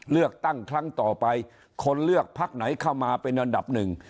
เลือกตั้งครั้งต่อไปคนเลือกพักไหนเข้ามาเป็นอันดับหนึ่ง